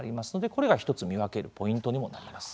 これが１つ、見分けるポイントにもなります。